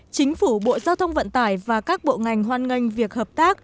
chính phủ bộ giao thông vận tải và các bộ ngành hoan nghênh việc hợp tác